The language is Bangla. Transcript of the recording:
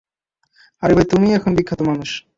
আরে ভাই তুমিই এখন বিখ্যাত মানুষ।